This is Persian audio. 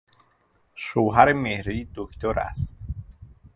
شوهر مهری دکتر است.